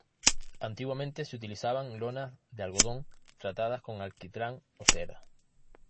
Antiguamente se utilizaban lonas de algodón tratadas con alquitrán o cera.